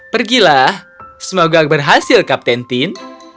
pergilah semoga berhasil kapten tim